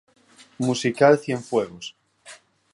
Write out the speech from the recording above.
Musical Cienfuegos.